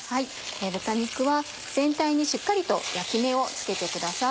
豚肉は全体にしっかりと焼き目をつけてください。